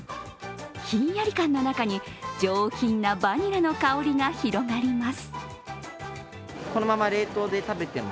ヒンヤリ感の中に上品なバニラの香りが広がります。